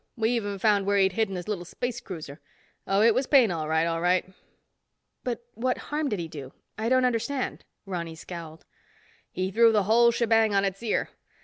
We even found where he'd hidden his little space cruiser. Oh, it was Paine, all right, all right." "But what harm did he do? I don't understand," Ronny scowled. "He threw the whole shebang on its ear.